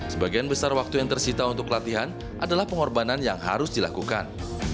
sebagian besar waktu yang tersita untuk latihan adalah pengorbanan yang harus dilakukan